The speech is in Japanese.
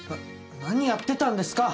何やってたんですか？